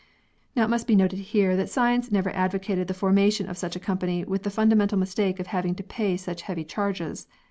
Now it must be noted here that science never advocated the formation of such a company with the fundamental mistake of having to pay such heavy charges.